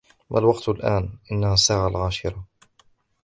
" ما الوقت الآن ؟"-" إنها الساعة العاشرة ".